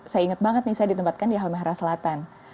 saya ingat banget nih saya ditempatkan di halmahera selatan